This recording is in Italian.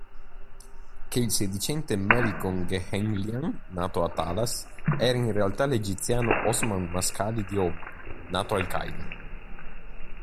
Che il sedicente Melkon Gehenlyan nato a Talas, era in realtà l'egiziano Osman Mascali di Ohman, nato al Cairo.